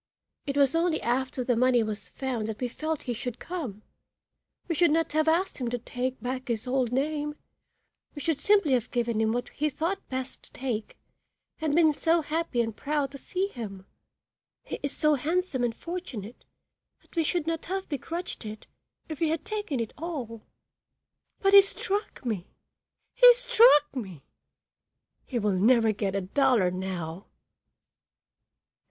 It was only after the money was found that we felt he should come. We should not have asked him to take back his old name, we should simply have given him what he thought best to take and been so happy and proud to see him. He is so handsome and fortunate that we should not have begrudged it, if he had taken it all. But he struck me! he struck me! He will never get a dollar now."